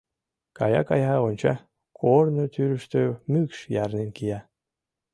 Кая-кая, онча: корно тӱрыштӧ мӱкш ярнен кия.